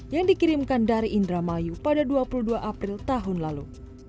yang dikirimkan dari indramayu pada dua puluh dua april tahun lalu